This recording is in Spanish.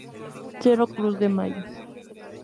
Ø Cruz de Mayo.